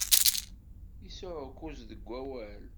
Isɛukkuz deg awal.